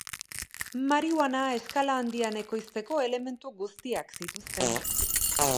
Marihuana eskala handian ekoizteko elementu guztiak zituzten.